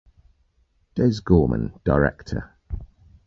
Des Gorman, Director.